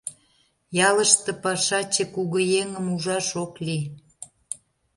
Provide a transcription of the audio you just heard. Ялыште пашаче кугыеҥым, ужаш ок лий.